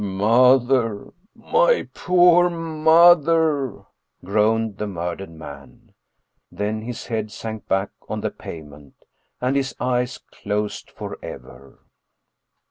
" Mother ! my poor mother !" groaned the murdered man. Then his head sank back on the pavement, and his eyes closed forever.